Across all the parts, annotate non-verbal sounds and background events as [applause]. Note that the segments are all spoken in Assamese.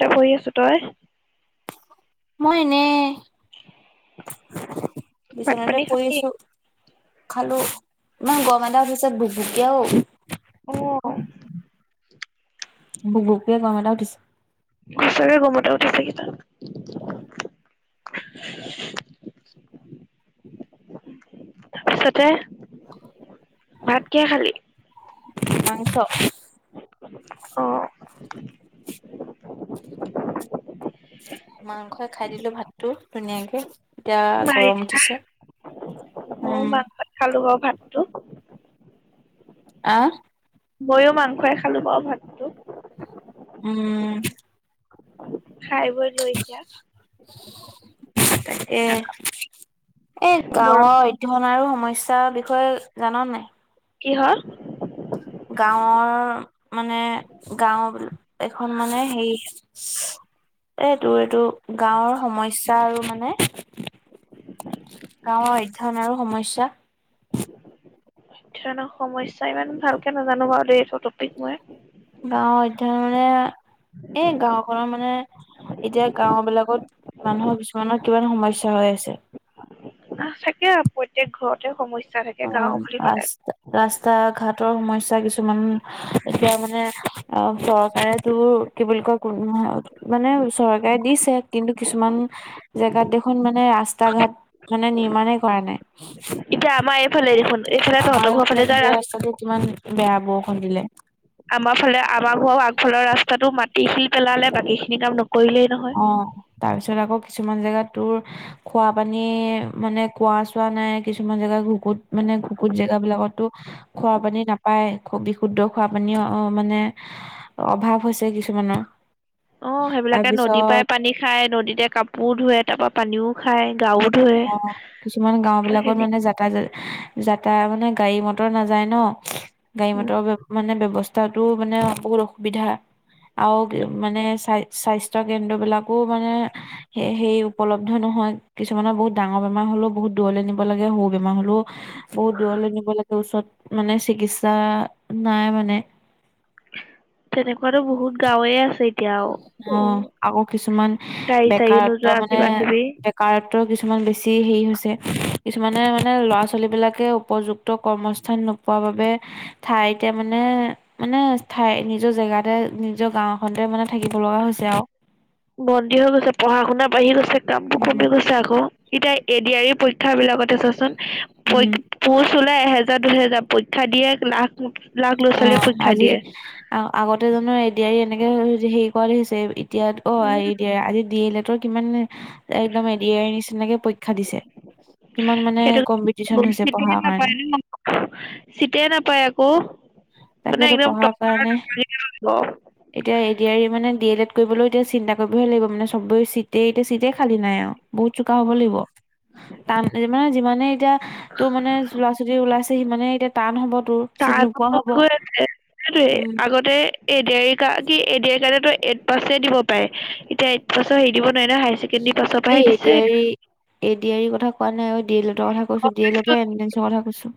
ত শুই আছো তই? মই এনে ভাত বিচনাতে পানী পৰি খালি আছো। খালো, ইমান গৰম এটা উঠিছে বুক-বুকীয়া ঔ। [unintelligible] বুক-বুককে গৰম এটা উঠিছ সঁচাকে গৰম এটা উঠিছে [unintelligible] [inaudible] তাৰপিছতে ভাত কিহে খালি? মাংস। অ'। [inaudible] মাংসই খাই দিলো ভাতটো ধুনীয়াকে। এতিয়া মাৰি গৰম উঠিছে, ময়ো উম। মাংসই খালো বাৰু ভাতটো। আ? ময়ো মাংসই খালো বাৰু ভাত। উম। খাই বৈ লৈ এতিয়া তাকে, এ বৰ গাঁৱত ধন আৰু সমস্যাৰ বিষয়ে জান নাই? কিহৰ? গাঁৱৰ মানে গাও এখন মানে হেৰী এইটো-এইটো গাঁৱৰ সমস্যা আৰু মানে গাঁৱৰ অধ্যয়ন আৰু সমস্যা। অধ্যায়ন সমস্যা ইমান ভালকে নাজানো বাৰু দে এইটো টপিক মই। গাঁওৰ অধ্যয়ন মানে এ গাওখনৰ মানে এতিয়া গাঁওবিলাকত মানুহৰ কিছুমানৰ কিমান সমস্যা হৈ আছে? আ থাকে আ প্ৰত্যেক ঘৰতে সমস্য অ ৰাস ৰাস্তা - ঘাটৰ সমস্যা কিছুমান এতিয়া মানে অ চৰকাৰে তোৰ কি বুলি কয় [unintelligible] মানে চৰকাৰে দিছে কিন্তু কিছুমান জেগাত দেখ খন মানে ৰাস্তা - ঘাট মানে নিৰ্মাণে কৰা নাই। এতিয়া আমাৰ এইফালে দেখোন, এইফালে তহঁতৰ ঘৰৰ ফালে যোৱা ৰাস আকৌ কিমান বেয়া বৰষূণ দিলে। আমাৰফালে আমাৰ ঘৰৰ আগফালৰ ৰাস্তাটো মাটি, শিল পেলালে বাকীখিনি কাম নকৰিলেই নহ অহ তাৰপিছত আকৌ কিছুমান জেগাত তোৰ খোৱা - পানী মানে কোৱা - চোৱা নাই কিছুমান জেগা ঘুকুত মানে ঘুকুত জেগাবিলাকতো খোৱা পানী নাপায়, খু বিশুদ্ধ খোৱা পানীও অ মানে অভাৱ হৈছে কিছুমানৰ। অ' সেইবিলাকে নদীৰ তাৰপিছত পৰাই পানী খায়, নদীতে কাপোৰ ধোৱে, তাৰপৰা পানীও খায়, গাও ধুৱে অ' কিছুমান গাঁও বিলাকত মানে সেনেকে যা যাতা মানে গাড়ী মটৰ নাযায় ন গাড়ী মটৰৰ মানে ব্যৱস্থা তাতো মানে বহুত অসুবিধা। আৰু মানে, স্বাস্থ্য কেন্দ্ৰ বিলাকো মানে এ সেই উপলব্ধ নহয় কিছু কিছুমানৰ বহুত ডাঙৰ বেমাৰ হ'লেও বহুত দূৰলৈ নিব লাগে, সৰু বেমাৰ হ'লেও বহুত দূৰলৈ নিব লাগে ওচৰত মানে চিকিৎসা, নাই মানে। তেনেকুৱাতো বহুত গাঁৱে আছে এতিয়াও। অ' আকৌ কিছুমান চাড়ী বেকাৰত্ব নোযোৱা মানে কিবা কিবি কাৰত্ব কিছুমান বেছি হেৰি হৈছে কিছুমানে মানে ল'ৰা ছোৱালীবিলাকে উপযুক্ত কৰ্মস্থান নোপোৱা পোৱা বাবে ঠাইতে মানে, মানে ঠাই নিজৰ জেগাতে নিজৰ গাঁও খনতে মানে থাকিব লগা হৈছে আৰু। বন্দী হৈ গৈছে, পঢ়া শুনা বাঢ়ি গৈছে কাম বোৰ উম কমি গৈছে আকৌ। এতিয়া এডি আৰ ই পৰীক্ষা বিলাকতে চোৱাচোন উম প পোচ ওলাই এহেজাৰ দুহেজাৰ পৰীক্ষা দিয়ে লাখ লাখ ল'ৰা ছোৱালীয়ে অ', পৰীক্ষা আজি দিয়ে। আগতে জানো এডি আৰ ই এনেকে হেৰি কৰা দি হৈছে এতিয়া উম অ' [unintelligible] কিমান একদম এডি আৰ ই নিচিনাকে পৰীক্ষা দিছে। কিমান মানে সেইটো কম্পিটিচন হৈছে চিটেই পঢ়াৰ কাৰণে। নাপায় ন চিটেই নাপায় আকৌ মানে তাকেতো একদম পঢ়াৰ [unintelligible] কাৰণে লাগিব। এতিয়া এডি আৰ ই মানে ডি এল এড কৰিবলৈও এতিয়া চিন্তা কৰিবহে লাগিব মানে চবে চিট [unintelligible] এতিয়া চিট খালী নাই আৰু বহুত চোকা হ'ব লাগিব। তাৰমানে যিমানে এতিয়া তোৰ মানে ল'ৰা ছোৱালী ওলাইছে সিমানে এতিয়া টান হ'ব তোৰ। তাৰ চিট [unintelligible] নোপোৱা হ'ব আগত উম। আগতে এডি আৰ ই কা কি এডি আৰ ই কাৰণেটো এইট পাছে দিব পাৰে, এতিয়া এইট পাছৰ হেৰি দিব নোৱাৰি নহয় হাই ছেকেণ্ডাৰী কিনি পাছক এই A D R E, A D R E কথা কোৱা নাই ঐ ডি এল এটৰ কথা কৈছো, ডি এল এটৰ এন্ট্ৰচৰ কথা কৈছো।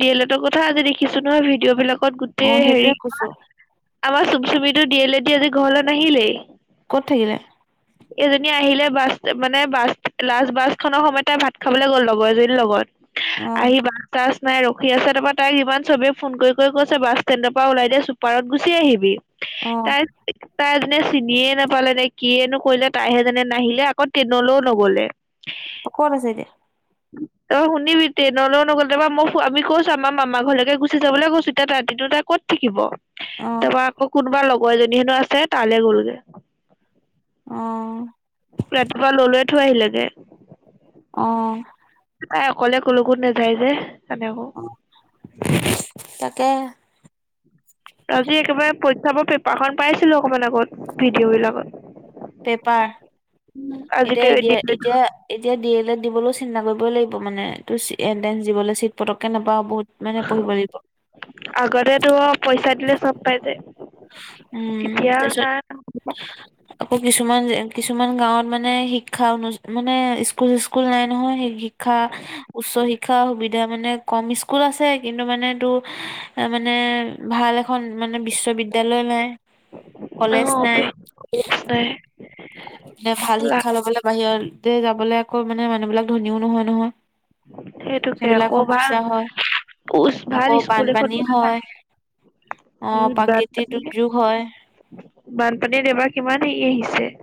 ডি এল এটৰ কথা আজি দেখিছো নহয় ভিডিঅ' বিলাকত অ' গোটেই সেইটোয়ে হেৰি কৈছো কিবা আমাৰ চুমচুমিটো ডি এল এট দি আজি ঘৰলে নাহিলেই। ক'ত থাকিলে? এজনী আহিলে বাছ মানে বাছ লাষ্ট বাছ খনৰ সময়ত তাই ভাত খাবলৈ গ'ল লগৰ এজনীৰ লগত। অ' আহিবা। বাছ নাই ৰখি আছে তাৰপৰা তাইক ইমান চবেই ফোন কৰি কৰি কৈছে বাছ ষ্টেণ্ডৰ পৰা ওলাই দে চুপাৰত গুচি আহিবি। অ' তাই, তাই আজিলৈকে চিনিয়ে নাপালে তাই কিয়েনো কৰিলে তাইহে জানে, নাহিলে আকৌ ট্ৰেইনলৈও নগ'লে। অ', ক'ত আছে এতিয়া? তাৰপৰা শুনিবি, ট্ৰেইনলেও নগ'ল, তাৰপৰা মই আমি কৈছো আমাৰ মামা ঘৰলৈকে গুচি যাবলৈ কৈছো, এতিয়া ৰাতিটো তাই ক'ত থাকিব, অ' তাৰপৰা আকৌ কোনোবা লগৰ এজনী হেনো আছে তালে গ'লগে। অ'। ৰাতিপুৱা ললোয়ে থৈ আহিলেগে। অ'। তাই অকলে কলৈকো নাযায় যে, সেইকাৰণে আকৌ। তাকে। আজি একেবাৰে পৰিক্ষাবোৰৰ পেপাৰখন পাইছিলোঁ অকমান আগত, ভিডিঅ'বিলাকত। পেপাৰ, এতিয়া এ, দি এদিন এতিয়া এতিয়া ডি এল এড দিবলৈও চিন্তা কৰিবই লাগিব মানে, তোৰ এণ্ট্ৰেন্ঞ্চ দিবলৈ চিট পটককে নাপাওঁ, বহুত মানে পঢ়িব লাগিব। আগতেতো পইচা দিলেই চব পাই যায়, উম এতিয়া তাৰপিছত নাই। আকৌ কিছুমান যে-কিছুমান গাঁৱত মানে শিক্ষা অনু মানে স্কুল চিস্কুল নাই নহয় সেই শিক্ষা, উচ্চ শিক্ষা সুবি বিধা মানে কম, স্কুল আছে কিন্তু মানে তোৰ এ, মানে ভাল এখন মানে বিশ্ববিদ দ্যা লয় নাই, অ কলেজ নাই। নাই। তে ভাল শিক্ষা লবলৈ বাহিৰতে যাবলৈ আকৌ মানে মানুহবিলাক ধনীও নহয় নহয়। সেইটোকে সেইবিলাক আকৌ ভাল সমস্যা হয়। উচ ভাল আকৌ স্কুল বানপানী এখনো হয়। নাথাকে অ' উম প্ৰাকৃতিক বানপানী দুৰ্যোগ হয়। বানপানীত এইবাৰ কিমান হেৰি আহিছে?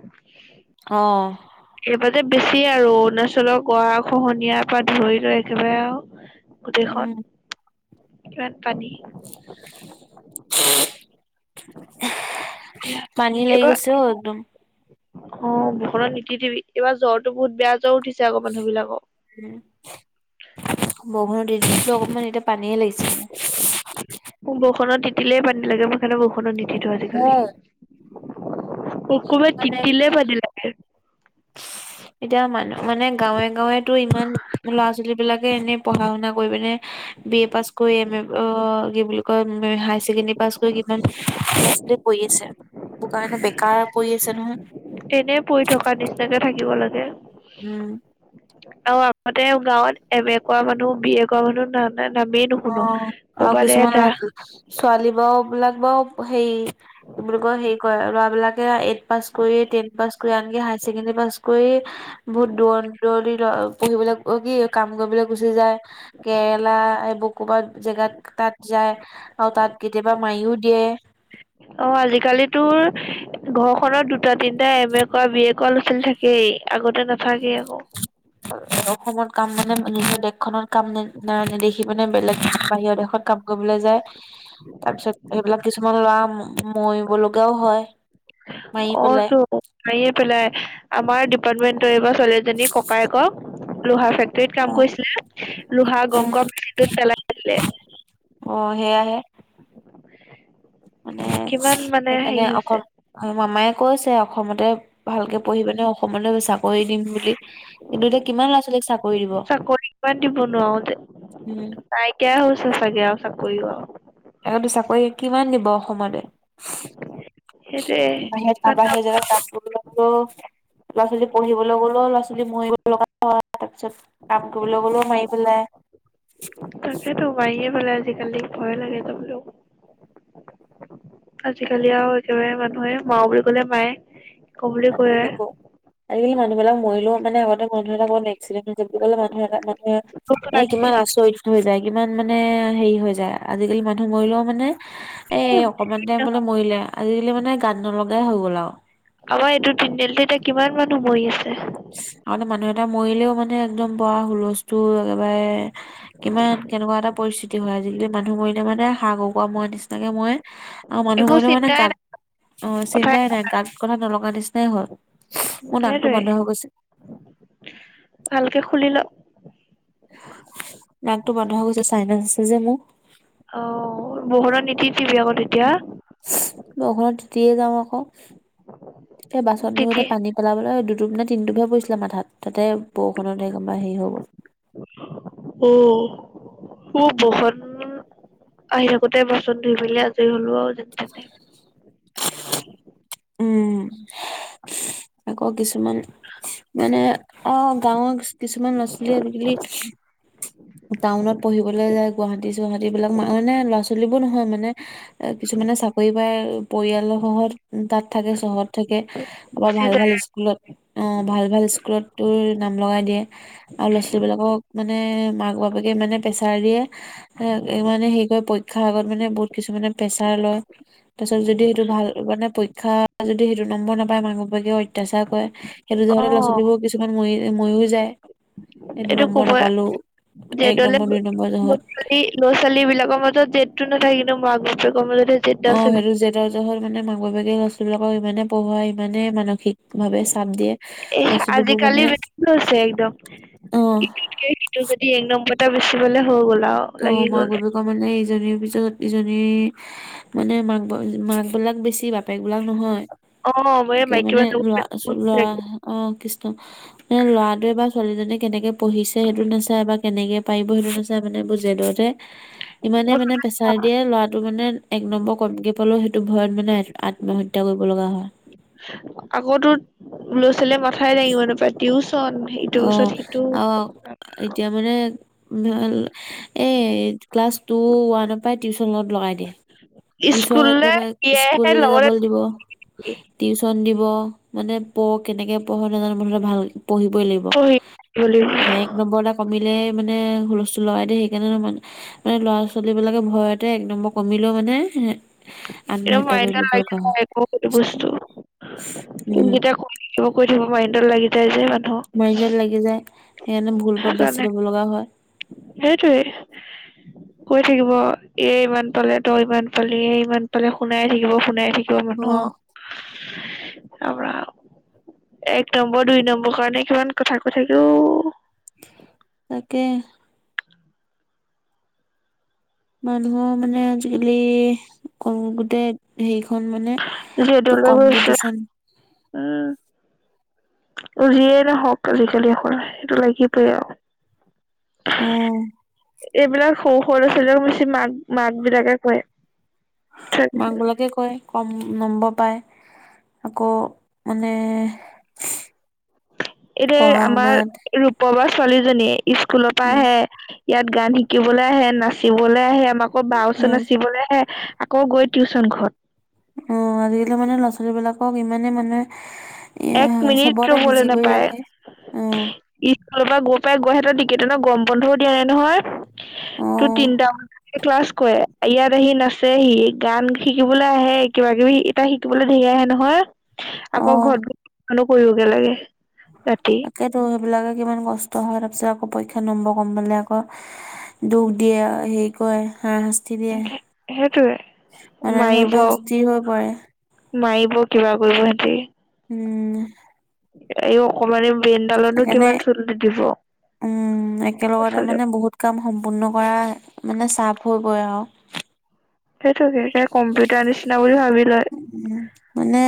অ'। এইবাৰ যে বেছি আৰু, অৰুণাচলৰ গঢ়া খহনিয়াৰ পৰা ধৰি লৈ একেবাৰে আৰু। উম গোটেইখন কিমান পানী। এতিয়া পানী লাগি এইবাৰ গৈছে অ' একদম। অ' বৰষুণত নিতি তিবি, এইবাৰ জৰটো বহুত বেয়া জ্বৰ উঠিছে আকৌ মানুহবিলাকৰ। উম, বৰষুণত তিতিছিলোঁ অকমান, এতিয়া পানীহে লাগিছে। মোৰ বৰষুণত তিতিলেই পানী লাগে, মই সেইকাৰণে বৰষুণত নিতিতো আজিকালি। মোৰ অকমান মানে তিতিলেই পানী লাগে। এতিয়া মানুহ মানে গাঁৱে গাঁৱেতো ইমান ল'ৰা ছোৱালীবিলাকে এনে পঢ়া শুনা কৰি পিনে বি এ পাছ কৰি, এম এ অ' কি বুলি কয়, হাইছেকেণ্ডেৰি পাছ কৰি কিমান [unintelligible] পৰি আছে, সেইবোৰকাৰণে বেকাৰ পৰি আছে নহয়। এনেই পঢ়ি থকা নিচিনাকে থাকিব লাগে। উম। আৰু আগতে গাঁৱত এম এ কৰা মানুহ, বি এ কৰা মানুহ, না না নামেই নুশুনো, অ', আৰু ক'ৰবাত কিছুমান এটা। ল'ৰা ছোৱালী বাৰু বিলাক বাৰু হেৰি, কি বুলি কয়, হেৰি কৰে ল'ৰাবিলাক এইট পাছ কৰি, টেন পাছ কৰি আনকি হায় ছেকেণ্ডেৰী পাছ কৰি বহুত দূৰ দূৰ পঢ়িবলৈ কি কাম কৰিবলৈ গুচি যায়। কেৰেলা এইবোৰ ক'ৰবাত জেগাত তাত যায় আৰু তাত কেতিয়াবা মাৰিও দিয়ে। অ' আজিকালি তোৰ ঘৰখনত দুটা তিনটা এম এ কৰা, বি এ কৰা ল'ৰা ছোৱালী থা কেই আগতে নাথা [inaudible] অসমত কাম মানে নিজৰ দেশখনত কাম নেদেখি মানে বেলেগ বাহিৰৰ দেশত কাম কৰিবলৈ যায়, তাৰপিছত সেইবিলাক কিছুমান ল'ৰা ম-মৰিব লগাও হয়। মাৰি পেলাই। অ'তো। মাৰিয়ে পেলাই। আমাৰ ডিপাৰ্টমেন্ট এইবাৰ ছোৱালীজনীৰ ককায়েকক লোহা ফেক জুইত কাম কৰিছিলে, লোহা অ', গৰম গৰম [unintelligible] পেলাই দিলে। অ' সেয়াহে। কিমান মানে হেৰি হৈছে। আৰু মামাই কৈছে অসমতে ভালকে পঢ়ি পিনে অসমতে চাকৰি দিম বুলি। কিন্তু এতিয়া কিমান ল'ৰা ছোৱালীক চাকৰি দিব? চাকৰি নাই কিয়া হৈছে চাগে চাকৰি আৰু। আগতে চাকৰি কিমান দিব অসমতে। সেইটোয়ে বাহিৰত তাৰ ইমান কাম বাহিৰে [unintelligible] ল'ৰা ছোৱালী পঢ়িবলৈ গ'লো ল'ৰা ছোৱালী মৰিব লগা হয় তাৰপিছত। কাম কৰিব গ'লেও মাৰি পেলাই। তাকেতো মাৰিয়ে পেলাই আজিকালি ভয় লাগে যাবলেও। আজিকালি আৰু একেবাৰে মানুহে মাৰো বুলি কলে মাৰে। কৰো বুলি কয় আজিকালি ক আজিকালি মানুহবিলাক মৰিলেও মানে আগতে। [unintelligible] [unintelligible] কলে মানুহে এটা মানুহে মানে লাগে কিমান আচৰিত। হৈ যায় কিমান মানে হেৰি হৈ যায়, আজিকালি মানুহ মৰিলেও মানে। এ অকমান টাইমতে বোলে মৰিলে আজিকালি মানে গান নলগাই হৈ গ'ল আৰু। আমাৰ এইটো তিনিআলিত এতিয়া কিমান মানুহ মৰি আছে? আগতে মানুহ এটা মৰিলেও মানে একদম পুৰা হুলস্থুল একেবাৰে। কিমান কেনেকুৱা এটা পৰিস্থিতি। হয় আজিকালি মানুহ মৰিলে মানে হাঁহৰ কুকুৰা মৰা নিচিনাকে মৰে। অ মানুহ একো মৰিলে মানে চিন্তাই গাত, নাই অ চিন্তাই নাই গাত কথা নলগা নিচিনাই হয়। মোৰ নাকটো সেইটোৱে বন্ধ হৈ গৈছে। ভালকে খুলি ল। নাকটো বন্ধ হৈ গৈছে চাইনাচ আছে যে মোৰ। অ' বৰষুণত নিতিতিবি আকৌ তেতিয়া। বৰষুণত তেতিয়ে যাওঁ আকৌ এই বাচন তিতি ধুৱতে পানী। পলাবলৈ দুটো নে তিনিটোপহে পৰিছিলে মাথাত তাতে বৰষুণত একেবাৰে হেৰি হৈ গল। উম বৰষুণত [unintelligible] আহি থাকোতে বাচন ধুই মেলি আজৰি হলো আৰু যেন। তেনে [inaudible] উম' আকৌ কিছুমান। মানে অহ গাঁৱৰ কিছুমান ল'ৰা ছোৱালী আজিকালি। টাউনত পঢ়িবলৈ যায়। গুৱাহাটী চুৱাহাটি বিলাক মানে ল'ৰা ছোৱালী বোৰ নহয় মানে কিছুমানে চাকৰি পাই। পৰিয়ালৰ [unintelligible] তাত থাকে চহৰত থাকে কবাত গুচি ভাল যায় ভাল। স্কুলত অ ভাল ভাল স্কুলত তোৰ নাম লগাই দিয়ে। আৰু ল'ৰা ছালীবিলাকক মানে মাক বাপেকে মানে প্ৰেছাৰ দিয়ে। এ মানে হেৰি কৰে পৰীক্ষাৰ আগত মানে বহুত কিছু মানে প্ৰেচাৰ লয়। তাৰপিছত যদি সেইটো ভাল মানে পৰীক্ষা যদি সেইটো নম্বৰ নাপায় মাক বাপেকেও অত্যাচাৰ কৰে। সেইটো অ জহতে ল'ৰা ছোৱালীবোৰ কিছুমান মৰি মৰিও যায়। এই দু এইটো নম্বৰ কবই নাপালো এক নম্বৰ দুই নম্বৰ জহত। ল'ৰা ছোৱালীবিলাকৰ মাজত জেদটো নাথাকিলেও কিন্তু মাক বাপেকৰ মাজতহে। অ সেইটো জেদৰ জহৰত মানে মাক বাপেক লৰা-ছোৱালীবিলাকক ইমানে পঢ়োৱাই ইমানে মানসিক। ভাবে চাপ দিয়ে এহ ল'ৰা-ছোৱালীবোৰ আজিকালি মানে বেছি হৈছে একদম। অ। [unintelligible] এক নম্বৰ এটা বেছি পালে হৈ গ'ল আৰু। অ লাগি মাক গ'ল। বাপেকৰ মানে ইজনীৰ পিছত ইজনী। মানে মাক, মাক বিলাক বেছি, বাপেক বিলাক নহয়। অ', মই এই একে, মাইকী মানে, মানুহবোৰ লৰা লৰা, অঁ, কৃষ্ণ। এ ল'ৰাটোৱে বা ছোৱালীজননে, কেনেকে পঢ়িছে, সেইটো নচায়, বা, কেনেকে পাৰিব, সেইটো নচাই, মানে, বুজ। জেদতে ইমানে মানে প্ৰেছাৰ দিয়ে ল'ৰাটো মানে এক নম্বৰ কমকে পালেও টো ভয়ত মানে আত্মহত্যা কৰিব লগা হয়। আকৌতো ল'ৰা-ছোৱালীয়ে মাথাই দঙিব নাপায় টিউচন হেৰি। অ অ এতিয়া মানে [inaudible] এই ক্লাছ টু ওৱানৰ পৰা টিউচনত লগাই দিয়ে। টিউচন স্কুললে একেবাৰে দিয়েহে স্কুললে লগতে যাবলে থাকি দিব। টিউচন দিব মানে পঢ় কেনেকে পঢ় নজানো মোঠতে ভাল পঢ়িবই লাগিব। পঢ়ি থাকিব লাগিব। অ এক নম্বৰ এটা কমিলে মানে হুলস্থুল লগাই দিয়ে সেইকাৰণে মানে মানে ল'ৰা ছোৱালী বিলাকে ভয়তে এক নম্বৰ কমিলৈও মানে। একদম আত্মহত্যা কৰি মাইণ্ডত ল'ব লাগি লগা হয় যায় একো বস্তু উম যোনকেইটা কিবা কৈ থাকিব মাইণ্ডত লাগি যায় যে মানুহক মাইণ্ডত লাগি যায় সেইকাৰণে ভুল পথ সেইকাৰণে বাছি ল'ব লগা হয় সেইটোৱে কৈ থাকিব এ ইমান পালে তই ইমান পালি এ ইমান এফালে শুনাই থাকিব শুনাই থাকিব অ মানুহক ৰাম ৰাম এক নম্বৰ দুই নম্বৰ কাৰণে কিমান কথা কৈ থাকে ও তাকে। মানুহৰ মানে আজিকালি ক গোটেই সেইখন মানে যিয়ে দলৈ গৈছে কম্পিটিচন। উম। অ যিয়েই নহওক আজিকালি অকল সেইটো লাগিবই আৰু। উম এইবিলাক সৰু সৰু লৰা-ছোৱালীক বেছি মাক মাক বিলাকে কয়। মাক বিলাকে কয়। কম নম্বৰ পায় আকৌ মানে। এই যে পঢ়া আমাৰ শুনাত ৰূপ বা ছোৱালীজনীয়ে স্কুলৰ পৰা উম আহে। ইয়াত গান শিকিবলে আহে নাচিবলে আহে আমা আকৌ বাৰ ওচৰত উম নাচিবলৈ আহে। আকৌ গৈ টিউচন ঘৰত। অ আজিকালি মানে ল'ৰা ছোৱালী বিলাকক ইমানে মানে। এ এক মিনিট চবতে ৰবলে বিজি কৰি নেপায়। ৰাখে উম স্কুললৰ পৰা গৈ পাই গৈহতৰ টিকেটনৰ গৰম বন্ধও দিয়া নাই নহয় অ তোৰ তিনটা বজালৈকে ক্লাছ কৰে। ইয়াত আহি নাচেহি গান শিকিবলৈ আহে কিবা কিবি তাই শিকিবলৈ ধেৰি আহে নহয়। অ আকৌ ঘৰত গৈ টিউচনো কৰিবগে লাগে ৰাতিকে সেইটো সেইবিলাকে কিমান কষ্ট হয় তাৰ পিছত আকৌ পৰীক্ষাত নম্বৰ কম পালে আকৌ। দুখ দিয়ে হেৰি কয় হাছ শাস্তি দিয়ে সেইটোৱে মানে মাৰিব সিহঁতে অস্থিৰ হৈ পৰে মাৰিব কিবা কৰিব সিহঁতি। উম। এই অকমানি ব্ৰেইনদাল। সেইকাৰণে উম একেলগতে আচলতে মানে বহুত। কাম সম্পূৰ্ণ কৰা মানে চাফ হৈ গৈ আও সেইটোকে কম্পিউটাৰ নিচিনা বুলি ভাবি লয়। উম মানে